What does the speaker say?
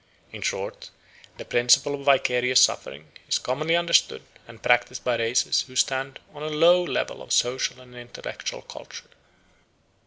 In short, the principle of vicarious suffering is commonly understood and practised by races who stand on a low level of social and intellectual culture.